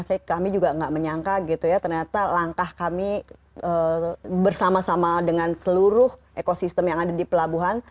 saya juga tidak menyangka ternyata langkah kami bersama sama dengan seluruh ekosistem yang ada di pelabuhan